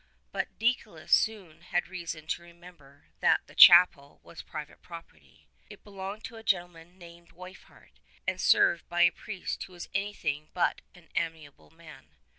But Deicolus soon had reason to remember that the chapel was private property. It belonged to a gentleman named Weifhardt, and was served by a priest who was anything but an amiable man.